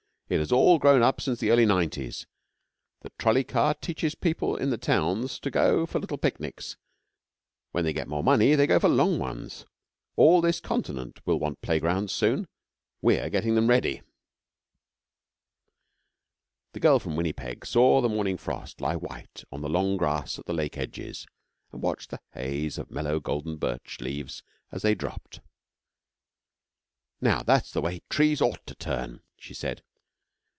It has all grown up since the early 'Nineties. The trolley car teaches people in the towns to go for little picnics. When they get more money they go for long ones. All this Continent will want playgrounds soon. We're getting them ready.' The girl from Winnipeg saw the morning frost lie white on the long grass at the lake edges, and watched the haze of mellow golden birch leaves as they dropped. 'Now that's the way trees ought to turn,' she said.